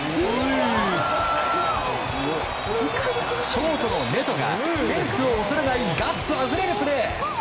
ショートのネトがフェンスを恐れないガッツあふれるプレー。